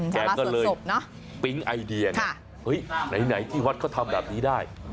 แกก็เลยปิ๊งไอเดียนะเฮ้ยไหนที่วัดเขาทำแบบนี้ได้